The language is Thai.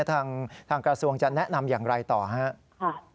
ทางกระทรวงจะแนะนำอย่างไรต่อครับ